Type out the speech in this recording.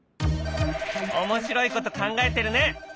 面白いこと考えてるね！